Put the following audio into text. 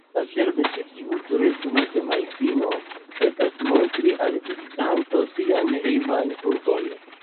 La celo de ĉi tiu turisma semajnfino estas montri al vizitantoj sian hejman urbon.